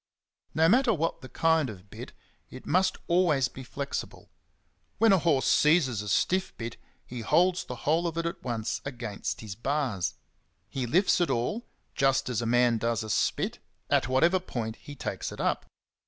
No matter what the kind of bit, it must always be flexible. When a horse seizes a stiff bit, he holds the whole of it at once against his bars ; he lifts it all, just as a man does a spit, at whatever point he takes it up.